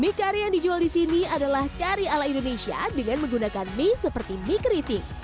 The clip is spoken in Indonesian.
mie kari yang dijual di sini adalah kari ala indonesia dengan menggunakan mie seperti mie keriting